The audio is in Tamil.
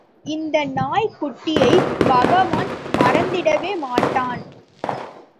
இந்த நாய்க்குட்டியை பகவான் மறந்திடவே மாட்டான்.